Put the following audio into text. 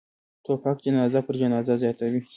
توپک جنازه پر جنازه زیاتوي.